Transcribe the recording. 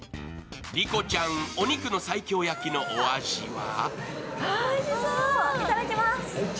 莉子ちゃん、お肉の西京焼きのお味は？